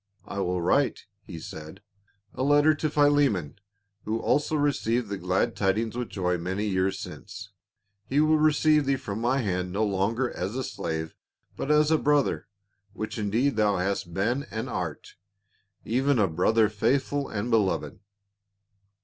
" I will write," he said, "a letter to Phile mon — who also received the glad tidings with joy many years since ; he will receive thee from my hand no longer as a slave but as a brother, which indeed thou hast been and art — even a brother faithful and be loved."